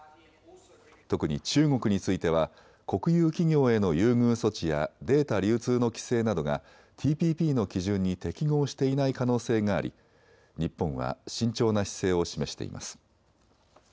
特に中国については国有企業への優遇措置やデータ流通の規制などがＴＰＰの基準に適合していない可能性があり日本は慎重な姿勢を示しています。